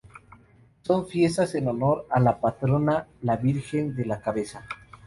Son fiestas en honor de la patrona la Virgen de la Cabeza.